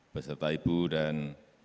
beserta ibu dan